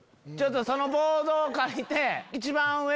そのボードを借りて。